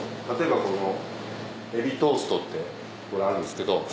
例えばこの海老トーストってあるんですけど。